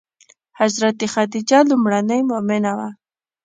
حضرت خدیجه لومړنۍ مومنه وه.